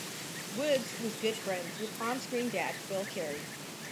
Woods was good friends with on-screen dad Phil Carey.